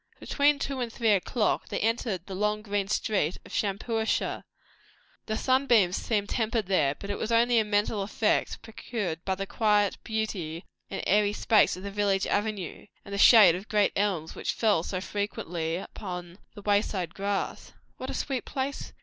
Between two and three o'clock they entered the long green street of Shampuashuh. The sunbeams seemed tempered there, but it was only a mental effect produced by the quiet beauty and airy space of the village avenue, and the shade of great elms which fell so frequently upon the wayside grass. "What a sweet place!"